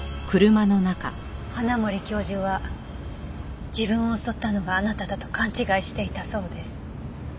花森教授は自分を襲ったのがあなただと勘違いしていたそうです。